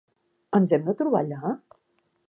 Ens hem de trobar allà?